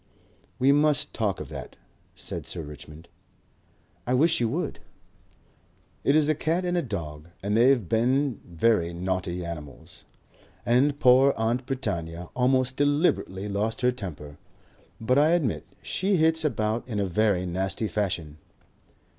"We must talk of that," said Sir Richmond. "I wish you would." "It is a cat and a dog and they have been very naughty animals. And poor Aunt Britannia almost deliberately lost her temper. But I admit she hits about in a very nasty fashion."